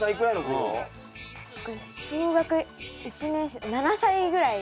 これ小学１年生７歳ぐらい。